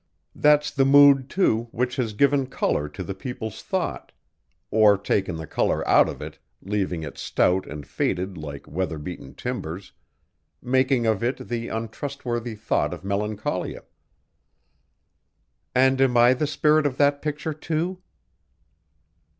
That's the mood, too, which has given color to the people's thought or taken the color out of it, leaving it stout and faded like weatherbeaten timbers making of it the untrustworthy thought of melancholia." "And am I the spirit of that picture, too?"